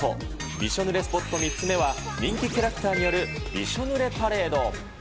びしょ濡れスポット３つ目は、人気キャラクターによるびしょぬれパレード。